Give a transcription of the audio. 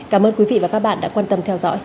cảm ơn quý vị và các bạn đã quan tâm theo dõi